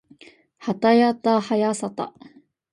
はたやたはやさた